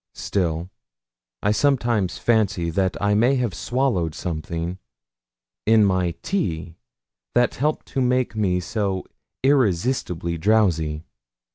Still I sometimes fancy that I may have swallowed something in my tea that helped to make me so irresistibly drowsy.